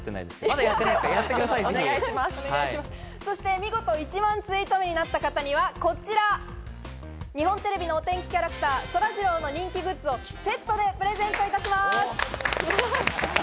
見事１万ツイート目になった方にはこちら、日本テレビのお天気キャラクター、そらジローの人気グッズをセットでプレゼントいたします。